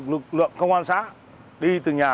lực lượng công an xã đi từ nhà